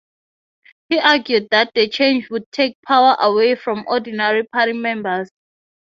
He argued that the change would take power away from ordinary party members.